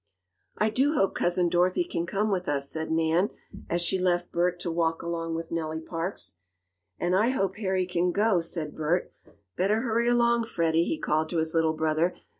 "I do hope Cousin Dorothy can come with us," said Nan, as she left Bert to walk along with Nellie Parks. "And I hope Harry can go," said Bert. "Better hurry along, Freddie," he called to his little brother.